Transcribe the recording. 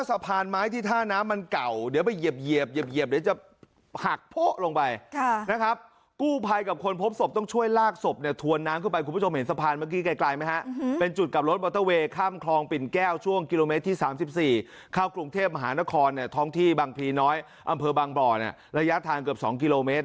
ศพก็ลอยมาแล้วก็หยุดฉะนั้นแค่ตรงนี้